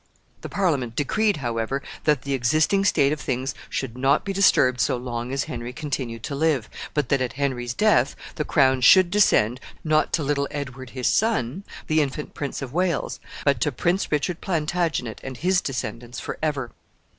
The Parliament decreed, however, that the existing state of things should not be disturbed so long as Henry continued to live, but that at Henry's death the crown should descend, not to little Edward his son, the infant Prince of Wales, but to Prince Richard Plantagenet and his descendants forever.